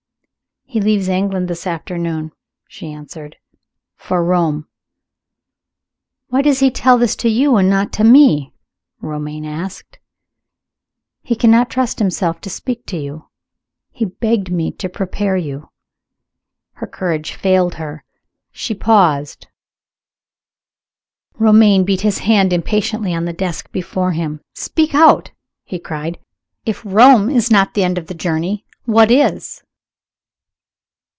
"He leaves England this afternoon," she answered, "for Rome." "Why does he tell this to you, and not to me?" Romayne asked. "He cannot trust himself to speak of it to you. He begged me to prepare you " Her courage failed her. She paused. Romayne beat his hand impatiently on the desk before him. "Speak out!" he cried. "If Rome is not the end of the journey what is?"